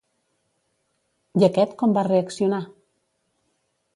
I aquest com va reaccionar?